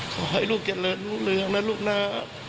ขอให้ลูกเจริญลูกเรืองนะลูกน้า